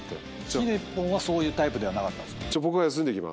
ひでぽんはそういうタイプではなかったんですか？